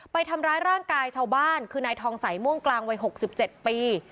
ไปทำร้ายร่างกายชาวบ้านคือนายทองสัยม่วงกลางวัย๖๗ปี